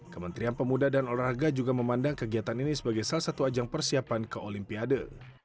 kementerian pemuda dan olahraga juga memandang kegiatan ini sebagai salah satu ajang persiapan ke olimpiade